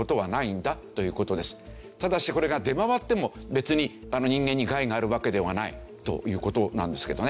ただしこれが出回っても別に人間に害があるわけではないという事なんですけどね。